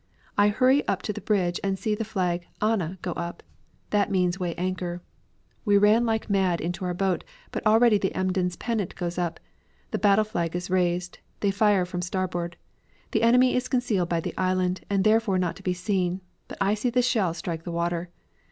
I hurry up to the bridge, see the flag 'Anna' go up. That means weigh anchor. We ran like mad into our boat, but already the Emden's pennant goes up, the battle flag is raised, they fire from starboard. The enemy is concealed by the island, and therefore not to be seen, but I see the shell strike the water.